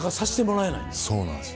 そうなんですよ。